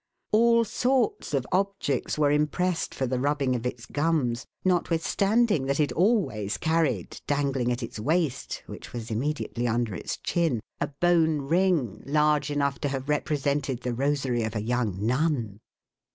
All sorts of objects were impressed for the rubbing of its gums, notwithstanding that it always carried, dangling at its waist (which was immediately under its chin), a bone ring, large enough to have represented the rosarv of a young nun.